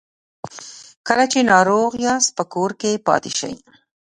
کله چې ناروغ یاست په کور کې پاتې سئ